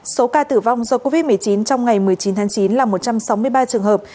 số ca tử vong do covid một mươi chín trong ngày một mươi chín tháng chín là một trăm sáu mươi ba trường hợp